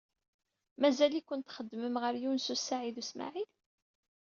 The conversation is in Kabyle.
Mazal-iken txeddmem ɣer Yunes u Saɛid u Smaɛil?